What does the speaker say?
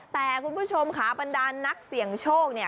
แต่คุณผู้ชมค่ะบรรดานนักเสี่ยงโชคเนี่ย